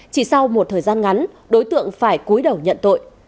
chỉ sau một thời gian ngắn đối tượng phải cuối đầu nhận tội